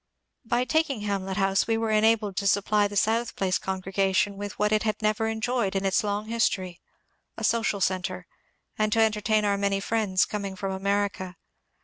By taking Hamlet House we were enabled to supply the South Place congregation with what it had never enjoyed in its long history, a social centre, and to entertain our many friends coming from America.